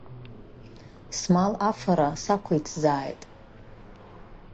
Смал афара сақәиҭзааит!